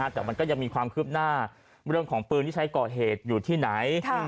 แต่มันก็ยังมีความคืบหน้าเรื่องของปืนที่ใช้ก่อเหตุอยู่ที่ไหน